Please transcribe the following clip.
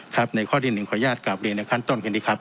ในข้อที่๑ขออนุญาตกลับเรียนในขั้นต้นกันดีครับ